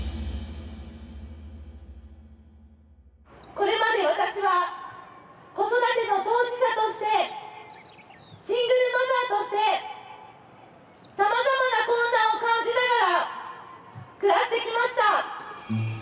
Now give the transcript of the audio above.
これまで私は子育ての当事者としてシングルマザーとしてさまざまな困難を感じながら暮らしてきました。